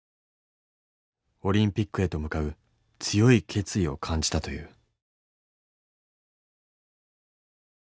オリンピックへと向かう強い決意を感じたという。